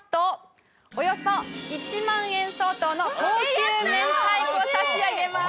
およそ１万円相当の高級明太子を差し上げます。